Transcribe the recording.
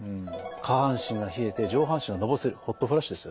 下半身が冷えて上半身がのぼせるホットフラッシュですよね。